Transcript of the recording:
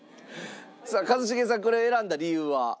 一茂さんこれを選んだ理由は？